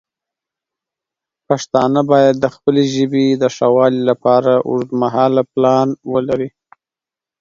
پښتانه باید د خپلې ژبې د ښه والی لپاره اوږدمهاله پلان ولري.